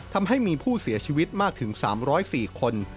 ทำให้มีผู้เสียชีวิตมากถึง๓๐๔คน